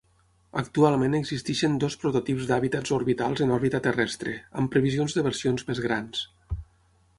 Actualment existeixen dos prototips d'hàbitats orbitals en òrbita terrestre, amb previsions de versions més grans.